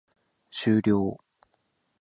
終了